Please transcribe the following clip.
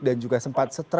dan juga sempat stres